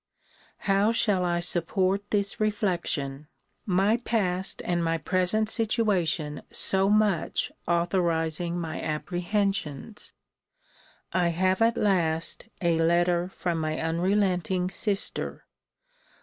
How shall I support this reflection! My past and my present situation so much authorizing my apprehensions! I have, at last, a letter from my unrelenting sister.